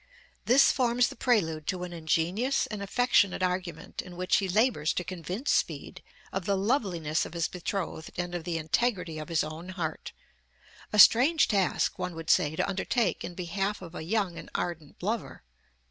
This forms the prelude to an ingenious and affectionate argument in which he labors to convince Speed of the loveliness of his betrothed and of the integrity of his own heart; a strange task, one would say, to undertake in behalf of a young and ardent lover.